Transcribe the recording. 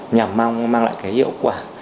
nhằm mang lại hiệu quả